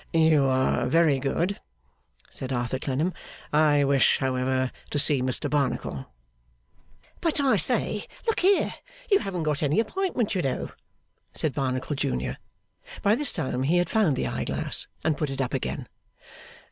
'You are very good,' said Arthur Clennam. 'I wish however to see Mr Barnacle.' 'But I say. Look here! You haven't got any appointment, you know,' said Barnacle Junior. (By this time he had found the eye glass, and put it up again.)